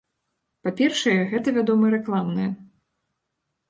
Па-першае, гэта, вядома, рэкламная.